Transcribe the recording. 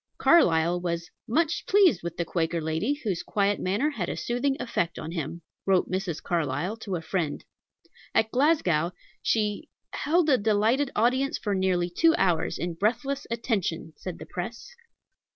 Carlyle was "much pleased with the Quaker lady, whose quiet manner had a soothing effect on him," wrote Mrs. Carlyle to a friend. At Glasgow "she held a delighted audience for nearly two hours in breathless attention," said the press.